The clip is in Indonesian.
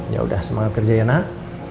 yaudah semangat kerja ya nak